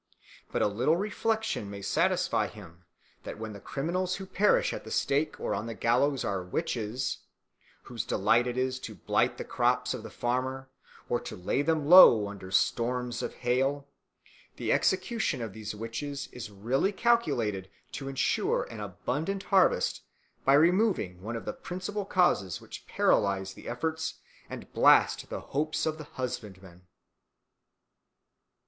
But a little reflection may satisfy him that when the criminals who perish at the stake or on the gallows are witches, whose delight it is to blight the crops of the farmer or to lay them low under storms of hail, the execution of these wretches is really calculated to ensure an abundant harvest by removing one of the principal causes which paralyse the efforts and blast the hopes of the husbandman.